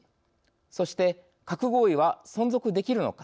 そして核合意は存続できるのか。